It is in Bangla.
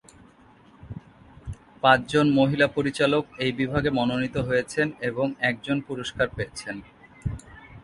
পাঁচজন মহিলা পরিচালক এই বিভাগে মনোনীত হয়েছেন, এবং একজন পুরস্কার পেয়েছেন।